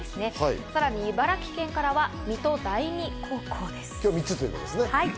さらに茨城県からは水戸第二高校です。